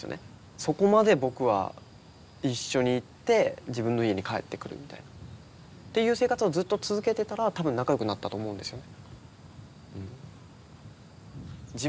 そこまで僕は一緒に行って自分の家に帰ってくるみたいなっていう生活をずっと続けてたら多分仲良くなったと思うんですよね。